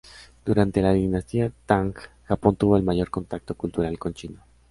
Durante la dinastía Tang, Japón tuvo el mayor contacto cultural con China.